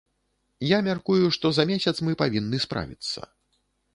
Я мяркую, што за месяц мы павінны справіцца.